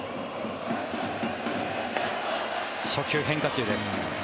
初球、変化球です。